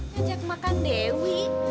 ngajak makan dewi